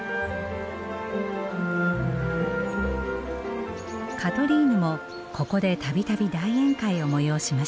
カトリーヌもここで度々大宴会を催しました。